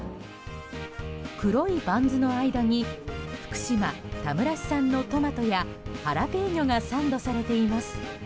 黒いバンズの間に福島・田村市産のトマトやハラペーニョがサンドされています。